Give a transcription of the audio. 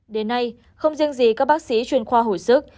đến nay không riêng gì các bác sĩ chuyên khoa hồi sức